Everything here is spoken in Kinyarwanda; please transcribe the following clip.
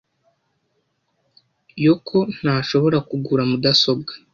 Yoko ntashobora kugura mudasobwa .